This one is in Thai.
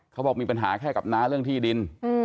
เขาบอกมีปัญหาแค่กับน้าเรื่องที่ดิน